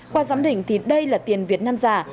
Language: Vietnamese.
qua giám đỉnh thì đây là tiền việt nam già